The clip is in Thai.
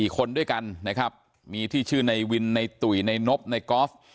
๔คนด้วยกันนะครับมีที่ชื่อในวินในตุ๋ยในนบในกอล์ฟ